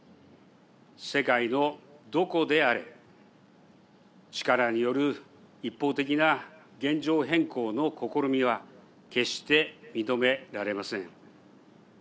世界のどこであれ力による一方的な現状変更の試みは決して認められません。